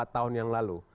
tiga empat tahun yang lalu